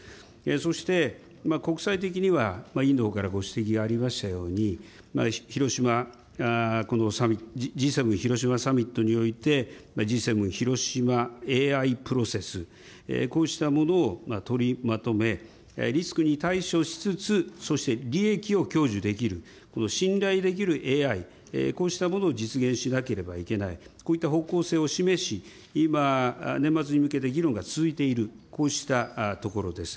そして、国際的には委員のほうからご指摘がありましたように、広島、Ｇ７広島サミットにおいて、Ｇ７広島ＡＩプロセス、こうしたものを取りまとめ、リスクに対処しつつ、そして利益を享受できる、信頼できるＡＩ、こうしたものを実現しなければいけない、こういった方向性を示し、今、年末に向けて議論が続いている、こうしたところです。